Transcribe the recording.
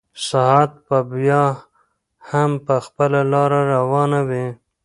ساعت به بیا هم په خپله لاره روان وي.